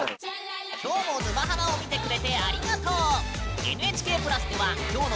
今日も「沼ハマ」を見てくれてありがとう！